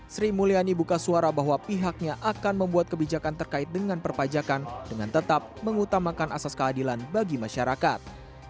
sri mulyani buka suara bahwa pihaknya akan membuat kebijakan terkait dengan perpajakan dengan tetap mengutamakan asas keadilan bagi masyarakat